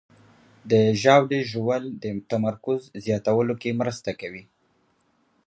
د ژاولې ژوول د تمرکز زیاتولو کې مرسته کوي.